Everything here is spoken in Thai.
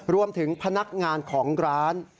รวมถึงพนักงานของร้าน